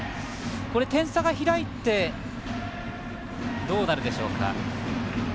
点差が開いてどうなるでしょうか。